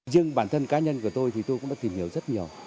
riêng bản thân cá nhân của tôi thì tôi cũng đã tìm hiểu rất nhiều